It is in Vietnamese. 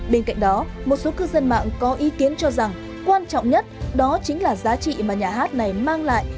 bên cạnh đó một số cư dân mạng có ý kiến cho rằng quan trọng nhất đó chính là giá trị mà nhà hát này mang lại